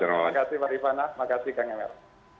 terima kasih mbak rifana terima kasih kang emil